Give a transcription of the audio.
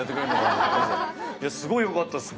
すごいよかったっす